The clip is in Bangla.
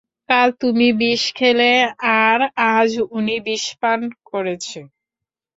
কাল তুমি বিষ খেলে আর আজ উনি বিষপান করেছে।